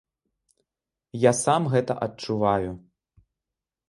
Я сам гэта адчуваю.